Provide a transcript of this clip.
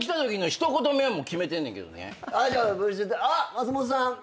松本さん